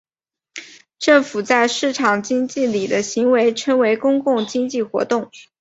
政府在市场经济里的行为称为公有经济活动。